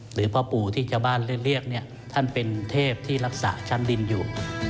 หรือพ่อปู่ที่ชาวบ้านเรียกเนี่ยท่านเป็นเทพที่รักษาชั้นดินอยู่